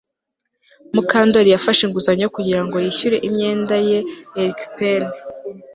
Mukandoli yafashe inguzanyo kugira ngo yishyure imyenda ye erikspen